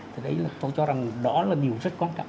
thì đấy là tôi cho rằng đó là điều rất quan trọng